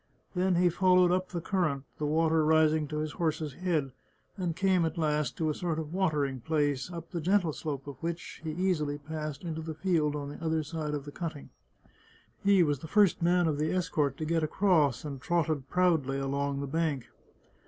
Then he followed up the current, the water rising to his horse's head, and came at last to a sort of watering place, up the gentle slope of which he easily passed into the field on the other side of the cutting. He was the first man of the escort to get across, and trotted proudly along the bank.